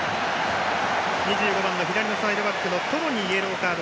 ２５番の左サイドバックのトロにイエローカード。